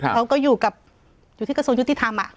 เขาก็อยู่ที่กระทรวงยุติธรรม